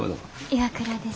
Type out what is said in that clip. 岩倉です。